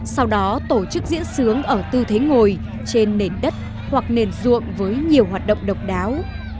sau đó tổ chức diễn sướng ở tư thế ngồi trên nền đất hoặc nền ruộng với nhiều hoạt động độc đáo